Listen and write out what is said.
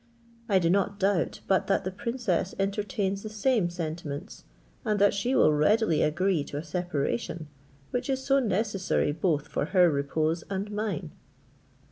I do not doubt but that the princess entertains the same sentiments, and that she will readily agree to a separation, which is so necessary both for her repose and mine.